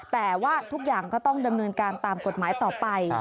แต่ว่าทุกอย่างก็ต้องดำเนินการตามกฎหมายต่อไป